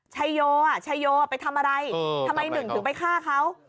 ชัยโยชัยโยไปทำอะไรทำไมหนึ่งถึงไปฆ่าเขา